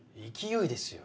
勢いですよ。